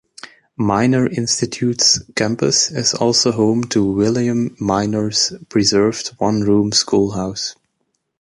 Miner Institute's campus is also home to William Miner's preserved One Room Schoolhouse.